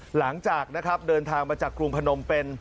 หลังจากนะครับเดินทางมาจากกรุงพนมเป็น